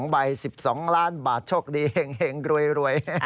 ใบ๑๒ล้านบาทโชคดีแห่งรวย